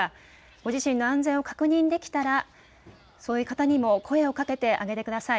ご自身の安全を確認できたら、そういう方にも声をかけてあげてください。